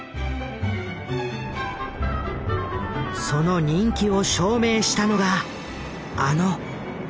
その人気を証明したのがあの「アポロ計画」。